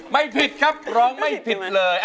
ไม่ผิดครับร้องไม่ผิดเลย